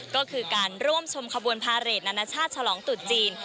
ก็คือการร่วมชมขบวนพาเรทนานาชาติฉลองตุดจีน